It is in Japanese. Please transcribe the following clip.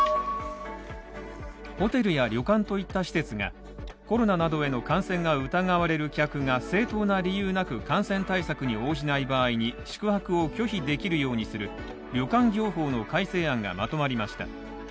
ホテルや旅館といった施設がコロナなどへの感染が疑われる客が正当な理由なく感染対策に応じない場合に宿泊を拒否できるようにする旅館業法の改正案がまとまりました。